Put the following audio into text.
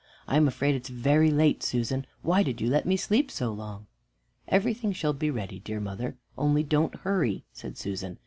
I'm afraid it's very late. Susan, why did you let me sleep so long?" "Everything shall be ready, dear mother; only don't hurry," said Susan.